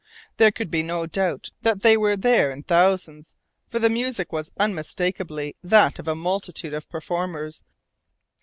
There could be no doubt that they were there in thousands, for the music was unmistakably that of a multitude of performers.